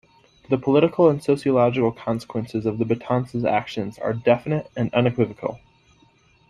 The political and sociological consequences of Betances' actions are definite and unequivocal.